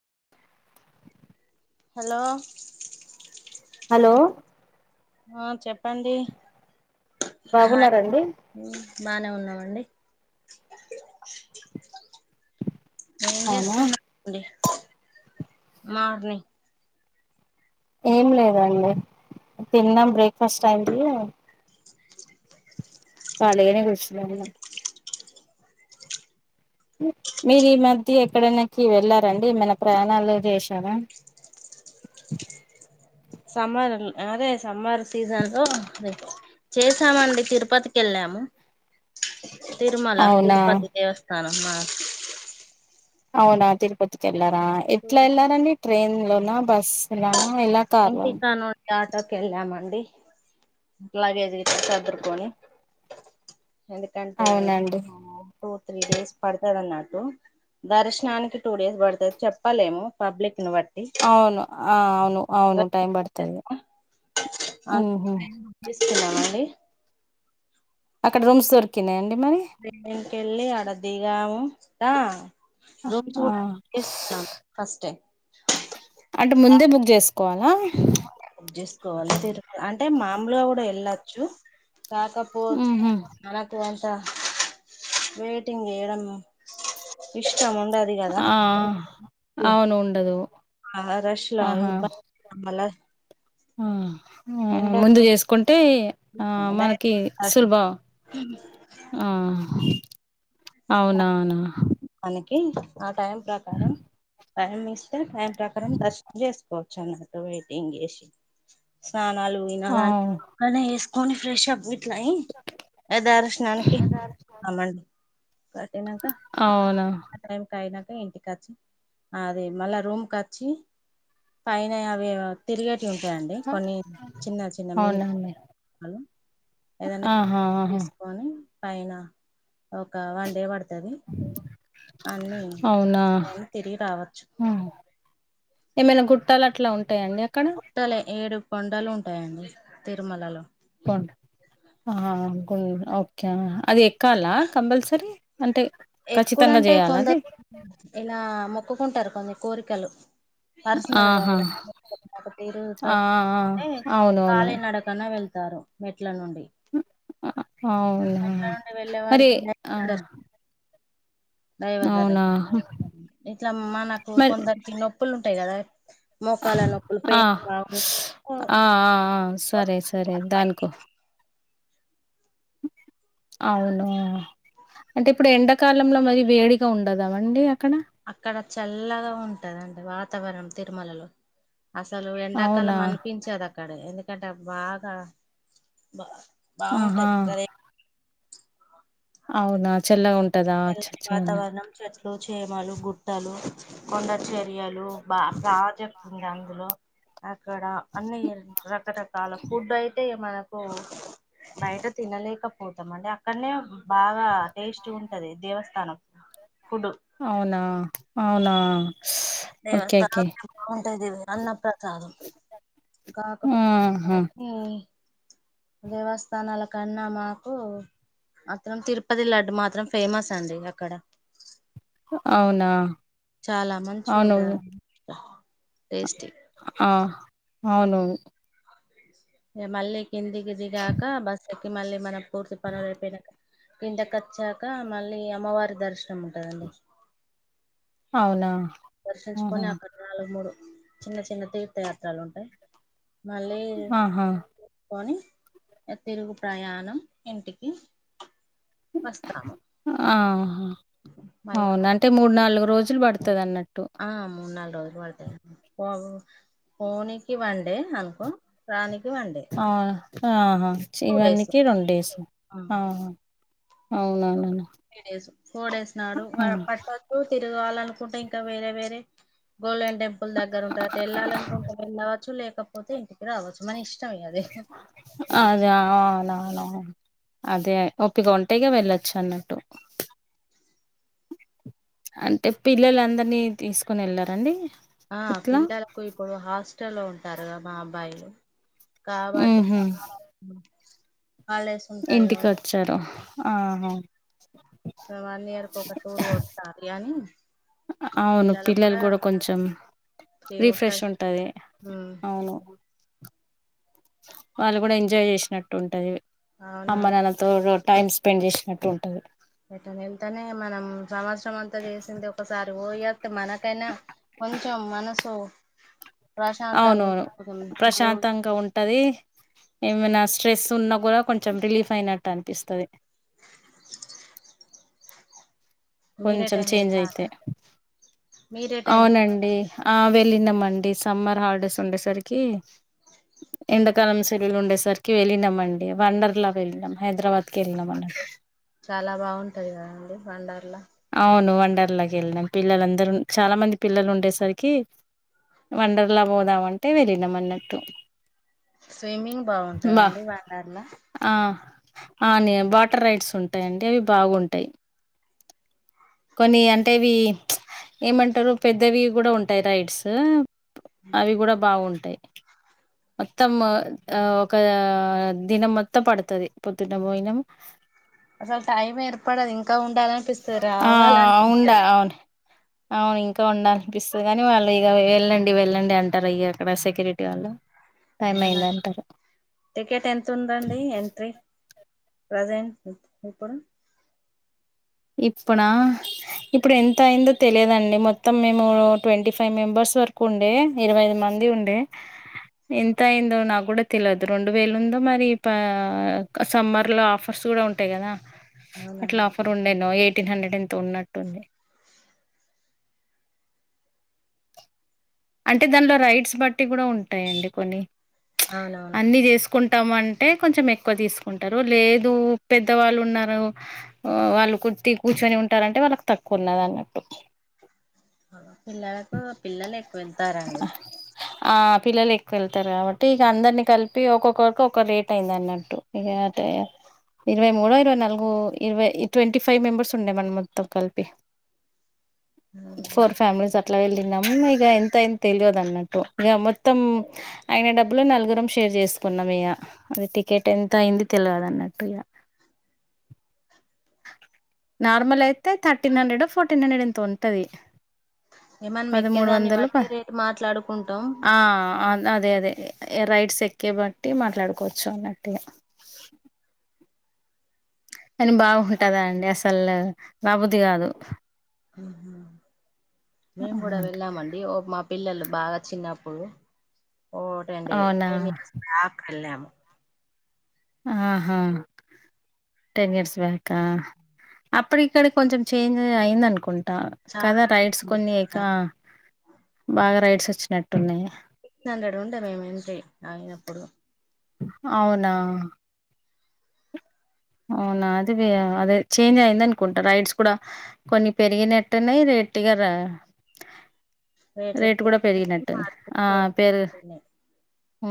[inaudible] Hello hello ఆ చెప్పండి hi బాగున్నారండి బానే ఉన్నామండి ఏం అవునా చేస్తున్నాండి మార్నింగ్ ఏం లేదండి తిన్నం బ్రేక్ఫాస్ట్ అయింది పాలగనే కురిస మీరు ఈ మధ్య ఎక్కడనాకి వెళ్ళారండి ఏమైన్న ప్రయాణాలు చేశారా? [inaudible] సమ్మర్ అదే సమ్మర్ సీజన్ లో చేసామండి తిరుపతికి వెళ్ళాము. [inaudible] తిరుమల అవునా తిరుపతి దేవస్థానం మా అవునా తిరుపతికి వెళ్లారా ఎట్లా వెళ్లారండి ట్రైన్ లోనా, బస్ల? ఇంటి కాడ నుండి ఆటోకి వెళ్ళామండి. ట్లాగేజ చదురుకోని ఎందుకంటే? అవునండి టూ త్రీ డేస్ పడుతది అన్నట్టు దర్శనానికి టూ డేస్ పడుతది చెప్పలేము పబ్లిక్ ని బట్టి అవును ఆ అవును అవును టైమ్ పడుతది ఉహు ఆండీ అక్కడ రూమ్స్ దొరికినాయిం దేవునికెళ్ళి అడ దిగాముా దా రూమ్ ఆ చూడ బుక్ చేసుకున్నాం ఫస్టే కోలా ముందే బుక్ చేసుకోవాలి తిరుమల అంటే మామలుగా కూడా వెళ్ళచ్చు. కాకా పోతే ఉహు మనకు డ వెయిటింగ్ ఏయడం ఇష్ ఇష్టం ఉండది కదా ఆ అప్పుడు ఓ అవును ఉండదు ఆ రష్ లోవు మ ఆహ ఉ ముందు చేసుకుంటే ఆ మనకి డైరెక్ట్ సులభ ఆహ అవునా అవునా ఏం ఆ టైం ప్రకారం టైం ఇస్తే టైం ప్రకారం దర్శనం చేసుకోవచ్చు అన్నట్టు వెయిటింగ్ చేసి స్మి నాలుగు వినాలన్ అవు మన వేసుకొని ఫ్రెష్ప్ అట్లాయి ఆ దర్శనానికి మమన్ అవునా పక ఇంటికి వచ్చి అది మళ్ళా రూమ్కి వచ్చి పైన అవి తిరిగటి ఉంటాయండి కొన్ని చిన్న చిన్న మినీ అవునా అండి. ఏదనా ఆహా! ఆహా! తీసుకొని పైనా ఒక్క వన్ డే పడుతు అన్ని అవునా! నేను తిరిగి రావచ్చు ఆ! ఏమైనా గుట్టాలు అట్లా ఉంటాయండి అక్కడ గుట్టలే ఏడు కొండలు ఉంటాయండి తిరుమలలో గు గు ఓకే అది ఎక్కాలా కంపల్సరీ అంటే ఖచ్చితంగా ఎకుడంటే జేయాలా అది? కొందరు ఇలా మొక్కుకుంటారు కొన్నిరు కోరికలు ఆహా! పర్సనల్గారుగుంటే ఆ! ఆ! ఆ! అవునవును. కాళీ నడకన్నా వెళ్తు తారు మెట్ల నుండి అవునా! మెట్ల నుండి వెళ్ళే మరి వారికి ఆ డ దైవధర అవునా ఇట్లా మనకు మరి కొందరికి నొప్పులు ఉంటాయి కదా మోకాల నొప్పులు ఆ ఆ పైన్ బాంబ్ ఆ ఆ సరే సరే దానికో అవునా అంటే ఇప్పుడు ఎండాకాలంలో మరి వేడిగా ఉండదామండి అక్కడ చల్లగా ఉంటదండి వాతావరణం తిరుమలలో అసలు అవునా ఎండాకాలం అనిపించేది అక్కడ ఎందుకంటే బాగా బా ఆహా బాగుంటది ప్రదే అవునా చెల్లగా తెల్లని వాతావరణం చెట్లు చేమాలు గుట్టలు కొండ చే యాలు బాగా ప్రాజెక్ట్ ఉంది అందులో అక్కడ అన్ని రకరకాల ఫుడ్ అయితే మన బయట తినలేకపోతాం అండి అక్కడనే బాగా టేస్ట్ ఉం టిది దేవ స్థానం అవునా అవునా ఓకే ఓకే దేవస్థానం అన్న ప్ర చదు కాకపోతే ఆహా భక్తి దేవస్థానాల కన్నా మాకు అందరం తిరుపతి లడ్డు మాత్రం ఫేమస్ అండి అక్కడ అవునా చాలా మంచిగా అవును ఉంటంది టేస్టీ ఆ అవునవును మళ్ళీ కిందికిి దిగాక బస్ ఎక్కి మళ్ళీ మనం పూర్తి పనులుపోయినాక కిందకి వచ్చాక మళ్ళీ అమ్మవారి దర్శనం ఉంటదండి అవునా ఆహా దర్శించుకొని అక్కడ నాలుగు మూడు చిన్న చిన్న తీర్థయాత్రలు ఉంటాయి మళ్ళీ ఆహా కొని తిరుగు ప్రయాణం ఇంటికి వస్తాము ఆహా మళ్ళీ అవును అంటే మూడు నాలు గు రోజులు పడుతది అన్నటూ ఆ మూడు నాలుగు రోజులు పడతది పో పోనీకి వండే అనుకో రానిక్ ఆ ఆహా టూ డేస్ చివన్నికి రెండు డేస్ ఆహా అవున నన త్రీ డేస్ ఫోర్ డేస్ నాడు పట్టొచ్చు తిరగాలనుకుంటే ఇంకా వేరే వేరే గోల్డెన్ టెంపుల్ దగ్గర ఉంట అటేళ్ళాలనుకుంటే వెళ్ళవచ్చు లేకపోతే ఇంటికి రావచ్చు మన ఇష్ అదే అవునవునవును అదే ఒప్పిగ ఉంటే ఇగ వెళ్ళొచ్చు అన్నట్టు అంటే పిల్లలు అందరినీ తీసుకొని వెళ్లారండి ఆ పిల్లలకు ఇప్పుడు హాస్టల్లో ఉంటారు గా మా అబ్బాయిలు కాబట్టి ఉహు హాలిడేస్ ఉంటాయి ఇంటికి కాబట్టి వచ్చారు ఆహా వన్ ఇయర్ కు ఒక టూర్ కొట్టాలి అని అవును పిల్లలు కూడా కొంచెం రిఫ్రెష్ ఉంటది ఉమ్ అవును వాళ్ళు కూడా ఎంజాయ్ చేసినట్టు ఉంటది అవునండి అమ్మనాన్నతో టైం స్పెండ్ చేసినట్టు ఉంటది ఎటైన వెళ్తేనే మనం సంవత్సరం అంతా చేసింది ఒకసారి ఓయా మనకైనా కొంచెం మనసు ప్రశాంతంగా అవునవును ఉంటది కొంచెం దేవుడు ప్రశాంతంగా ఉంటది ఏమనా స్ట్రెస్ ఉన్నా కూడా కొంచెం రిలీఫ్ అయినట్టు అనిపిస్తది కొంచెం మీరేటైనా చేంజ్ అయితే వెళ్ళారా మీరేటైనా వెళ్ళారా అవునండి ఆ వెళ్ళినామండి సమ్మర్ హాలిడేస్ ఉండేసరికి ఎండకాలం సెలవలు ఉండేసరికి వెళ్ళినమండి వండర్ లా వెళ్ళినాం హైదరాబాద్కి వెళ్ళినం మండి చాలా బాగుంటది కదండి వండర్ లా అవును వండర్లాకి వెళ్ళినాం పిల్లలందరు చాలా మంది పిల్లలు ఉండేసరికి వండర్లా పోదాం అంటే వెళ్ళినం అన్నట్టు స్విమ్మింగ్ బాగుంటదండి వండర్ల ఆని వాటర్ రైడ్స్ ఉంటాయండి అవి బాగుంటాయి కొన్ని అంటేవి ఏమంటారు పెద్దవి కూడా ఉంటాయి రైడ్స్ అవి కూడా బాగుంటాయ్ మొత్తం ఆ ఒక దినం మొత్తం పడుతది పొద్దున పోయినం అసలు టైం ఏర్పడదు ఇంకా ఉండాలం ఆ ఉండాల అవును అవును ఇంకా ఉండాల అనిపిస్తది గాని వాళ్ళు ఇగ వెళ్ళండి వెళ్ళండి అంటారు ఇగ అక్కడ సెక్యూరిటీ వాళ్ళు టైం అయింది అంటారు టికెట్ ఎంత ఉందండి ఎంట్రీ ప్రజెంట్ ఇప్పుడు ఇప్పునా ఇప్పుడు ఎంత అయిందో తెలిదండి మొత్తం మేము ట్వంటీ ఫైవ్ మెంబర్స్ వరకు ఉండే ఇరవై ఐదు మంది ఉండే ఎంత అయిందో నాకు కూడా తెలిదు రెండు వేలు ఉందో పా మరి సమ్మర్ లో ఆఫర్స్ చూడ ఉంటాయి కదా అట్లా అవునండి ఆఫర్ ఉండేనో ఎయిటీన్ హండ్రెడ్ ఎంత ఉన్నట్టుంది అంటే దానిలో రైట్స్ బట్టి కూడా ఉంటాయండి కొన్ని అవునవును అన్ని చేసుకుం టం అంటే కొంచెం ఎక్కువ తీసుకుంటారు లేదు పెద్దవాళ్ళు ఉన్నారు వాళ్ళు టి కూర్చొని ఉంటారంటే వాళ్ళకి తక్కువ ఉన్నది అన్నట్టు పిల్లలకు పిల్లలు ఎక్కువ వెళ్తారండి ఆ! పిల్లలు ఎక్కువ వెళ్తారు కాబట్టి ఇగ అందరిని కలిపి ఒక్కొక్కరికి ఒక రేట్ అయింది అన్నట్టు ఇగ ఇరవై మూడో ఇరవై నాలుగో ఇరవై ట్వంటీ ఫైవ్ మెంబర్స్ ఉండే మన మొత్తం కలిపి అవునా. ఫోర్ ఫ్యామిలీస్ అట్లా వెళ్ళినము ఇక ఎంత అయి తెలియదు అన్నట్టు ఇక మొత్తం ఆయన డబ్బులు నలుగుర షేర్ చేసుకున్నాం ఇక అది టికెట్ ఎంత అయింది తెలియదు అన్నట్టు ఇక నార్మల్ అయితే థర్టీన్ హండ్రెడ్ ఫోర్టీన్ హండ్రెడ్ ఎంతో ఉంటది ఇంకా మనం పదమూడు ఎక్కేదాన్ని వందలు బట్టి రేటు మాట్లాడుకుంటాం ఆ అదే అదే రైడ్స్ ఎక్కే బట్టి మాట్లాడుకోవచ్చు అన్నట్టుగా అని బాగుంటందా అండి అసలు రబుద్ది కాదు మేము కూడా వెళ్ళామండి ఓ మా పిల్లలు బాగా చిన్నప్పుడు ఓటే అంటడి అవునా [unintelligible] కెలము ఆహా టెన్ ఇయర్స్ బ్యాకా అప్పుడు ఇక్కడ కొంచెం చేంజ్ అయింద అనుకుంటా చాలా కదా రైడ్స్ కొన్నికా బాగా రైడ్స్ వచ్చినట్టున్నాయి సిక్ హండ్రెడ్ ఉంటా మేము ఎంటీ అయినప్పుడు అవునా అవునా అది అదే చేంజ్ అయింది అనుకుంటా రైడ్స్ కూడా కొన్ని పెరిగినట్టునేయి ఎట్టిగార రేట్లు రేటు కూడా పెరిగినట్టు ఆ పేరు ఉ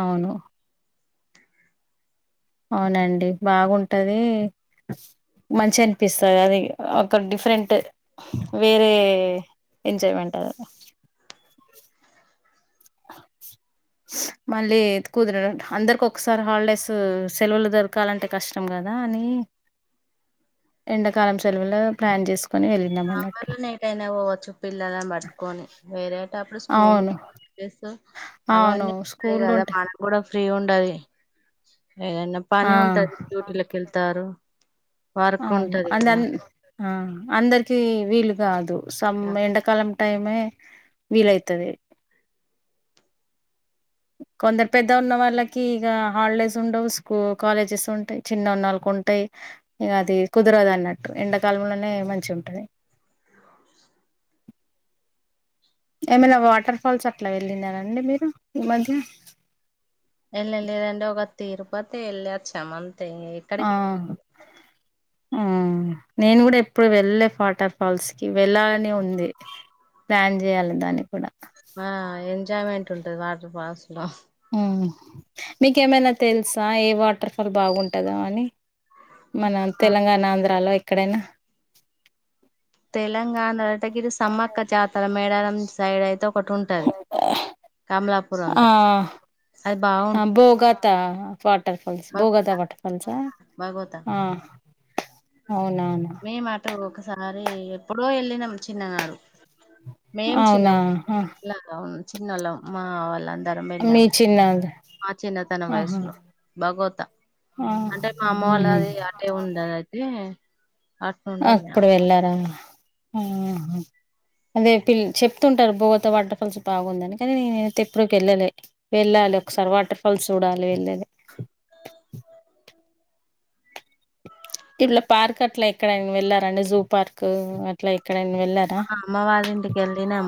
అవును అవునండి బాగుంటది మంచి అనిపిస్తుంది అది ఒక డిఫరెంట్ వేరే ఎంజాయ్మెంట్ అ ఆ చిమ్ మళ్ళీ ఎత్తుకొద్దురా అందరికి ఒకసారి హాలిడేస్ సెలవులు దొరకాలంటే కష్టం కదా అని ఎండాకాలం సలవుల్లో ప్లాన్ చేసు సామర్లోనే ఏటైనా పోవ్వచ్చు పిల్లలని పట్టుకొని వేరే ఉన్నప్పుడు స్కూల్ అవును ఎమ్ చేద్దాం అవును అవన్నీ ఉంటయి స్కూళ్ళు కదా ఉంటాయి మనం కూడా చూద్దం ఫ్రీ ఉండాలి ఏదైనా ఆ పని ఉంటది డ్యూటిలకి వెళ్తారు వర్క్ అవును ఉంటది కదా అందర్నీ ఆ అందరికి వీలు కాదు సమ్ ఎండకాలం టైమే వీల్ అయితది కొందరు పెద్ద ఉన్న వాళ్ళకి ఇగా హాలిడేస్ ఉండవు స్కూ కాలేజెస్ ఉంటయి చిన్న ఉన్నళ్ళకు ఉంటయి ఇంక అది కుదరదున్నట్టు ఎండాకాలంలోనే మంచిగా ఉంటది ఏమైనా వాటర్ ఫాల్స్ అట్లా వెళ్ళినార ఆండీ మీరు ఈ మధ్య వెళ్ళ లేదండి ఒక తిరుపతే వెళ్లోవచ్చాం అంతే ఏక్కడికి మమ్ నేను కూడా ఎప్పుడు వెళ్ళలె వాటర్ ఫాల్స్ కి వెళ్ళాలని ఉందీ ప్లాన్ చేయ్యాలి దాన్ని కూడా ఆ ఎంజాయ్మెంట్ ఉంటది వాటర్ ఫాల్స్ లో మీకేమైనా తెలుసా ఏ వాటర్ ఫాల్ బాగుంటదో అని మనం ఆ తెలంగాణ ఆంధ్రాలో ఎక్కడైనా తెలంగాణలో అంనంతగిరి సమ్మక్క జాతర మేడారం సైడ్ అయితే ఒకటి ఉంటది కమలాపూరం ఆ! దా ఆ బ్బో గాత వాటర్ ఫాల్స్ బోగాత వాటర్ ఫాల్ల్సా భాగోతా అవునవును. మేము అటు ఒకసారి ఎప్పుడో వెళ్ళినం చిన్ననాడు మేం అవునా! చిన్నమ్ ఆ! లా చిన్నల్లాం మావాళ ఇద్దరం వెళ్ళాం మీ చిన్నది మా చిన్నతనం ఆహా! వయసులో భాగోత ఆ! అంటే మా అమ్మ వాళ్ళది అటే హుహు. ఉండెది అయితే అటు నుండి వెళ్ళాం అప్పుడు వెళ్ళారా ఆ హ అదేంటి చెప్తుంటారు బోగత వాటర్ ఫాల్స్ బాగుందని కానీ నేనైతే ఎప్పుడికి వెళ్ళలే వెళ్ళా మాల్ ఒకసారి వాటర్ ఫాల్స్ చూడాలి వెళ్లేది ఇట్లా పార్క్ అట్లా ఎక్కడైనా వెళ్లారండి జూ పార్క్ అట్లా ఎక్కడైకైనా అమ్మవాళ్ళింటికి ఏళ్లినం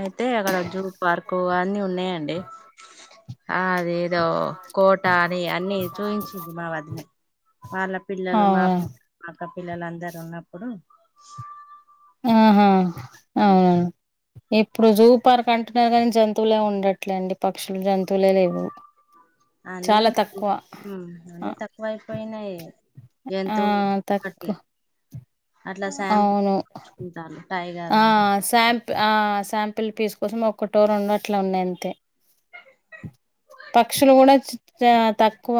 అయితే అక్కడ జూ పార్కు అన్ని ఉన్నాయంండి చుప్ ఆ అదేదో కోట అని అన్ని చూయించింది మా వద్దనే వాళ్ళ పిల్లలు మా అవునా బు మాక్క పిల్లలు అందరుూ ఉన్నప్పుడు ఆహా ఆ ఇప్పుడు జూ పార్క్ అంటున్నారు కానీ జంతువులే ఉండట్లే అండి పక్షులు జంతువులే లేవు అన్నీ చాలా తక్కువ ఆ అన్నీ తక్కువైపోయినై ఆ! జంతువును ఆట్నీ తక్కువ అట్లా అవును శాంపిల్లు తీచుకుంటారు ఆ శాంప్ ఆ శాంపిల్ పిస్ కోసం ఒక్కటో రెండొ అట్లా ఉన్నాయ్ అంతే పక్షులు కూడా య తక్కువ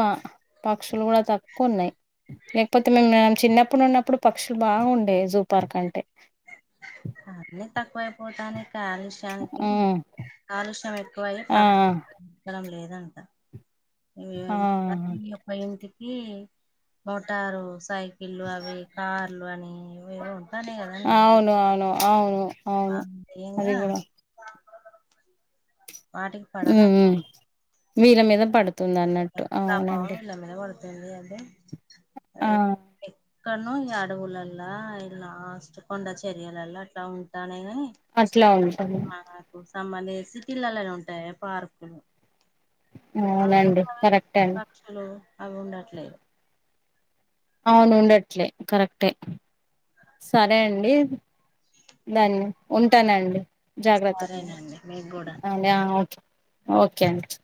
పక్షులు కూడా తక్కువ ఉన్నాయి లేకపోతే మేము ఆ చిన్నప్పుడు ఉన్నప్పుడు పక్షులు బాగుఉండేవి జూ పార్క్ అంటే అవి తక్కువైపోతానై కాలుష్యానికి హ్మ్ కాలుష్యం ఎక్కువయ ఆ పక్షులు ఉండడం లేదు ఇదంతా ఎ ఆ యిం ప్పై మీ అబ్బాయి ఇంటికి మోటారు సైకిళ్ళు అవి కార్లు అని ఏదో ఉంటానేగా మరి అవును అవును అవును అవును అది గుడా వాటికి పడదాంటావ్ మీద మీద పడుతుంది అన్నట్టు ఆ అవునండి గన్ని అంటే ఆ ఎక్కనో ఈ అడవులలా ఇలా లాస్ట్ కొండ చర్యలాల అట్లా ఉంటా నైన్యి అట్లా ఉంటుంది మాకోస అమ్మనే సిటీలలో ఉంటాయి పార్కులు అవి అవునండి కరెక్ట్ అండి పక్షులు అవి ఉండట్లేదు అవును ఉండట్లే కరెక్టే సరే అండి డన్ ఉంటానండి జాగ్రత్తగా ఉండ సరేనండి మీకు కూడా అవున ఓకే అండి